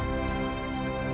berdoa kepada allah sekali lagi